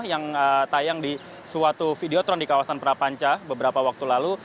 yang tayang di suatu videotron di kawasan prapanca beberapa waktu lalu